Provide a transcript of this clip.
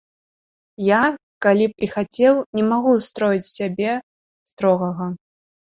Я, калі б і хацеў, не магу строіць з сябе строгага.